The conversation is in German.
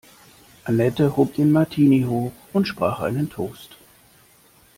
Annette hob den Martini hoch und sprach einen Toast.